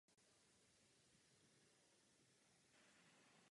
Zajímá je více území než lidé, kteří na něm žijí.